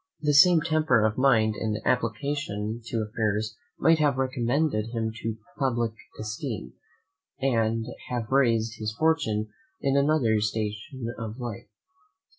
The same temper of mind and application to affairs might have recommended him to the publick esteem, and have raised his fortune in another station of life.